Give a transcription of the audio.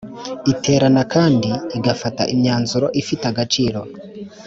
iterana kandi igafata imyanzuro ifite agaciro